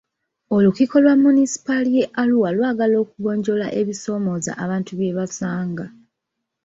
Olukiiko lwa Munisipaali ya Arua lwagala okugonjoola ebisoomooza abantu bye basanga.